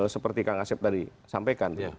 seperti kang asep tadi sampaikan